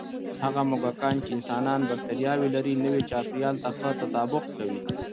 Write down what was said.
هغه موږکان چې د انسان بکتریاوې لري، نوي چاپېریال ته ښه تطابق کوي.